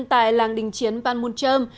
tại làng đình chiến ban môn trâm